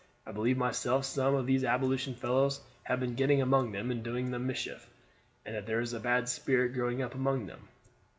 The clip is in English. I believe myself some of these Abolition fellows have been getting among them and doing them mischief, and that there is a bad spirit growing up among them.